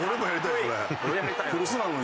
古巣なのに。